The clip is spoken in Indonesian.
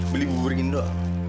beli bubur gini doang